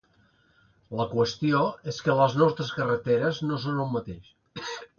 La qüestió és que les nostres carreteres no són el mateix.